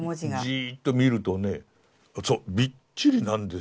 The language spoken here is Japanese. じっと見るとねそうびっちりなんですよ。